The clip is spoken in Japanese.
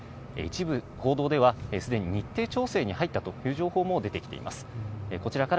一部報道では、すでに日程調整に入ったという情報も出てきています。